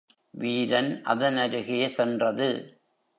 வீரன் அதன் அருகே சென்றது.